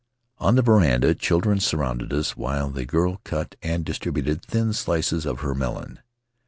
On the veranda children surrounded us while the girl cut and distributed thin slices of her melon.